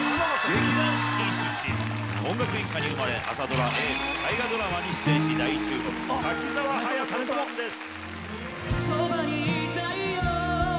劇団四季出身、音楽一家に生まれ、朝ドラ、エール、大河ドラマに出演し大注目、柿澤勇人さんです。